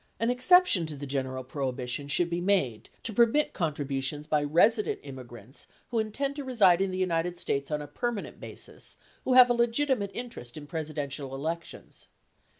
An exception to the general prohibition should be made to permit contributions by resident immigrants who intend to reside in the United States on a permanent basis who have a legitimate interest in Presidential elections.